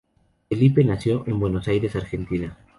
Felipe nació en Buenos Aires, Argentina.